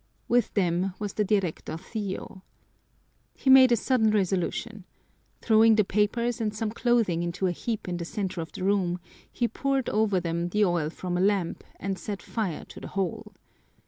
With them was the directorcillo. He made a sudden resolution: throwing the papers and some clothing into a heap in the center of the room, he poured over them the oil from a lamp and set fire to the whole.